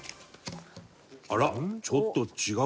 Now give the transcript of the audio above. あらちょっと違うね。